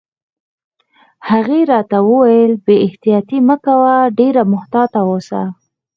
هغې راته وویل: بې احتیاطي مه کوه، ډېر محتاط اوسه.